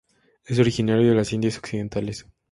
Es originario de las Indias Occidentales.